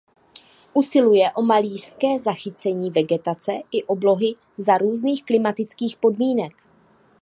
Usiluje o malířské zachycení vegetace i oblohy za různých klimatických podmínek.